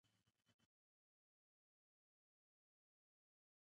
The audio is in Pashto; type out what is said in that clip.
غازي ایوب خان جګړه ځارله.